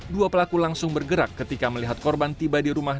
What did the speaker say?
dua pelaku langsung bergerak ketika melihat korban tiba di rumah